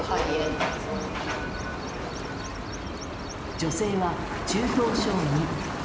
女性は、中等症２。